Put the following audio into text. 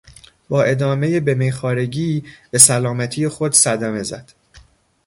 با ادامهی به میخوارگی به سلامتی خود صدمه زد.